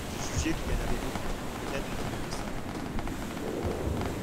Je jugeais qu'il y en avait beaucoup, et peut-être plus de cent.